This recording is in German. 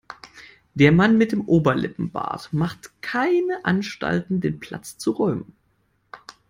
Der Mann mit Oberlippenbart macht keine Anstalten, den Platz zu räumen.